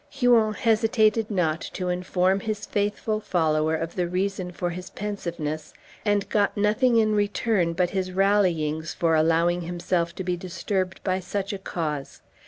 Huon hesitated not to inform his faithful follower of the reason of his pensiveness; and got nothing in return but his rallyings for allowing himself to be disturbed by such a cause.